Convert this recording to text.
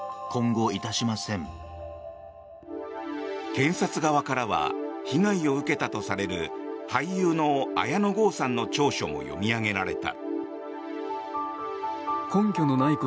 検察側からは被害を受けたとされる俳優の綾野剛さんの調書も読み上げられた。